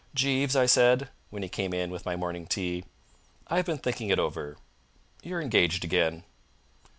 "Jeeves," I said, when he came in with my morning tea, "I've been thinking it over. You're engaged again."